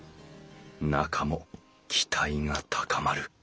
中も期待が高まる。